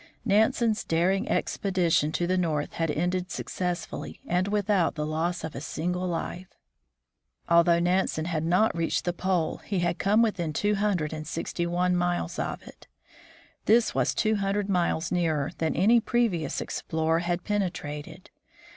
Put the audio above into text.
Nansen's daring expedition to the North had ended suc cessfully, and without the loss of a single life. Although Nansen had not reached the pole, he had come within two hundred and sixty one miles of it. This was two hundred miles nearer than any previous explorer had penetrated.